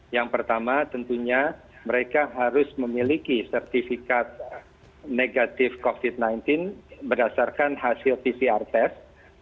yang pertama tentunya mereka harus memiliki sertifikat negatif covid sembilan belas berdasarkan hasil pcr test